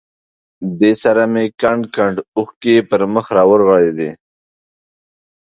دې سره مې کنډ کنډ اوښکې پر مخ را ورغړېدې.